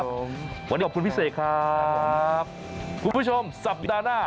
เราขอบคุณพิเศษครับครับสวัสดีครับ